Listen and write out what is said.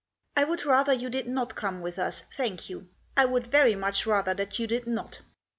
" I would rather you did not come with us, thank you, I would very much rather that you did not."